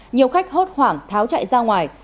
nhiều khách hốt hoảng tháo chạy ra ngoài